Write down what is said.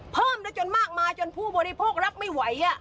เพิ่มได้จนมากมายจนผู้บริโภครับไม่ไหว